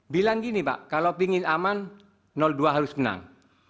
bilang gini pak kalau ingin aman dua harus menang